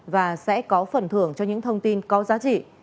và sẽ có phần thưởng cho những thông tin có giá trị